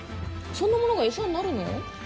そんなものがエサになるの？